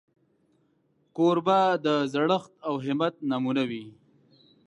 کوربه د زړښت او همت نمونه وي.